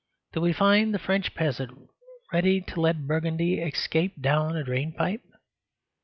Do we find the French peasant ready to let Burgundy escape down a drain pipe?